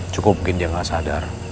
cukup mungkin dia nggak sadar